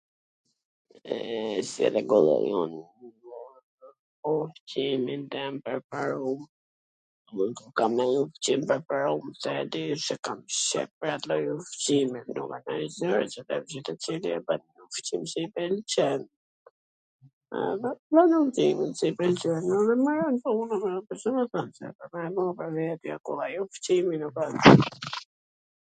Ushqimin tem t preferum, nuk kam nonj ushqim t preferum, se e di kam Cef at lloj ushqimi ... ushqim qw i pwlqen ...[???]